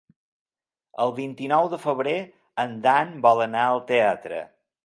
El vint-i-nou de febrer en Dan vol anar al teatre.